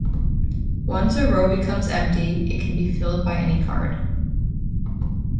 Once a row becomes empty, it can be filled by any card.